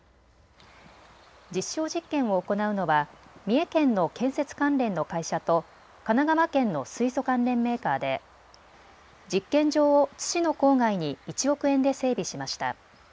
実証実験を行うのは三重県の建設関連の会社と神奈川県の水素関連メーカーで実験場を津市の郊外に１億円で整備しました。